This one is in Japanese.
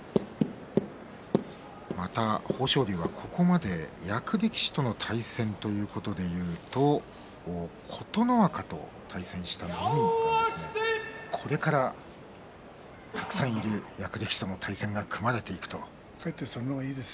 また豊昇龍はここまで役力士との対戦ということでいうと琴ノ若と対戦してこれから、たくさん役力士との対戦が組まれてきます。